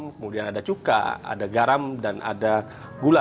kemudian ada cuka ada garam dan ada gula